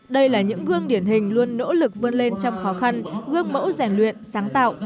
đây là những gương điển hình luôn nỗ lực vươn lên trong khó khăn gương mẫu rèn luyện sáng tạo